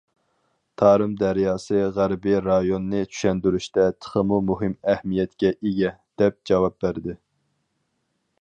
تارىم دەرياسى غەربىي رايوننى چۈشەندۈرۈشتە تېخىمۇ مۇھىم ئەھمىيەتكە ئىگە، دەپ جاۋاب بەردى.